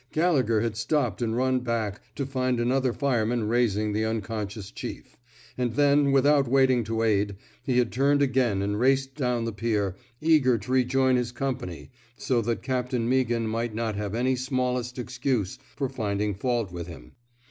Gallegher had stopped and run back, to find another fireman raising the unconscious chief; and then, without waiting to aid, he had turned again and raced down the pier, eager to rejoin his company, so that Cap tain Meaghan might not have any smallest excuse for finding fault with him.